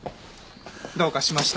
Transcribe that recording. どうかしました？